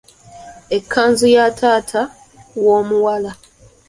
Ekkanzu ya taata w’omuwala.